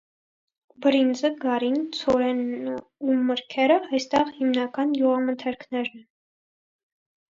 Բրինձը, գարին, ցորեն ու մրգերը այստեղի հիմնական գյուղմթերքներն են։